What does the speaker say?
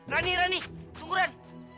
rani rani tunggu ran